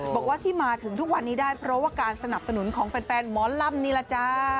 บอกว่าที่มาถึงทุกวันนี้ได้เพราะว่าการสนับสนุนของแฟนหมอลำนี่แหละจ้า